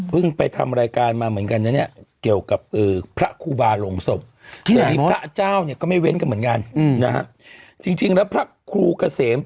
เบื้องไปทำรายการมาเหมือนกันนะเนี้ยเกี่ยวกับเออพระคูบาโรงสม